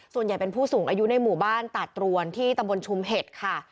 ส่วนใหญ่เป็นผู้สูงอายุในหมู่บ้านตาดตรวนที่ตำบลชุมเห็ดค่ะ